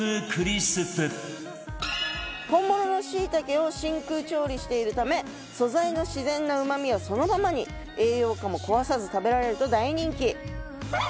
本物のシイタケを真空調理しているため素材の自然なうまみはそのままに栄養価も壊さず食べられると大人気。